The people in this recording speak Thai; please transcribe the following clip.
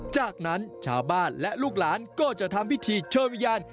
จากนั้นชาวบ้านและลูกหลานก็จะทำพิธีเชิญวิญญาณ